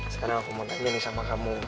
sekarang aku mau tanya nih sama kamu